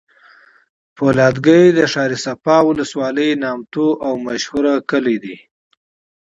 فولادګی د ښارصفا ولسوالی نامتو او مشهوره کلي دی